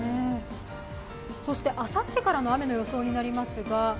そしてあさってからの雨の予想になりますが。